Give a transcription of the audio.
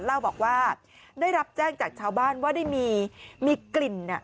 เล่าบอกว่าได้รับแจ้งจากชาวบ้านว่าได้มีกลิ่น